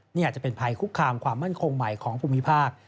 นี่อาจจะเป็นภัยคุกคามความมั่นคงใหม่ของภูมิภาค